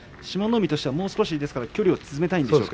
海としたらもう少し距離を縮めたいんですよね。